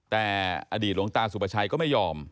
แต่อดีตหลวงตาสุปชัยก็ไม่ยอม